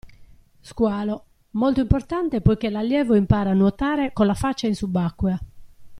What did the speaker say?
Squalo: molto importante poichè l'allievo impara a nuotare con la faccia in subacquea.